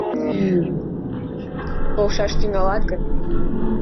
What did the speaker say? Полшаш тӱҥалат гын...